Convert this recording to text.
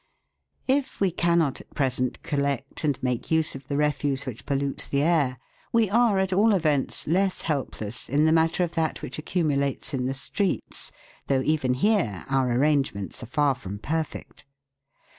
If we cannot at present collect and make use of the refuse which pollutes the air, we are at all events less 298 THE WORLD'S LUMBER ROOM. helpless in the matter of that which accumulates in the streets, though even here our arrangements are far from perfect.